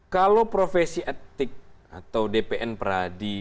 kalau profesi etik atau dpn pradi